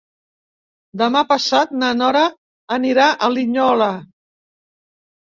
Demà passat na Nora anirà a Linyola.